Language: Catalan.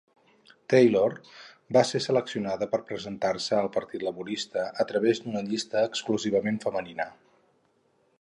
Taylor va ser seleccionada per presentar-se al partit laborista a través d'una llista exclusivament femenina.